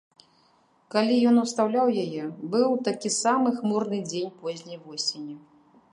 Калі ён устаўляў яе, быў такі самы хмурны дзень позняй восені.